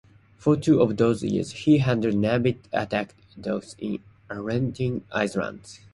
For two of those years, he handled Navy attack dogs in the Aleutian Islands.